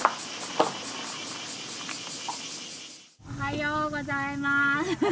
おはようございます。